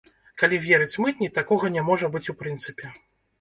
Калі верыць мытні, такога не можа быць у прынцыпе.